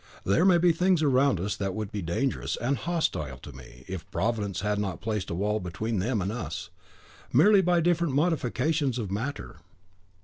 There may be things around us that would be dangerous and hostile to men, if Providence had not placed a wall between them and us, merely by different modifications of matter."